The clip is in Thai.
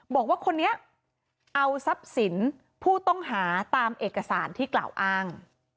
บอกว่าคนนี้เอาทรัพย์สินผู้ต้องหาตามเอกสารที่กล่าวอ้าง